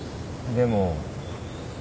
でも？